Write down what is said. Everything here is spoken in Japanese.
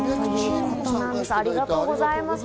ありがとうございます。